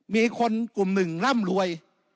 มีคนกลุ่มหนึ่งร่ำรวย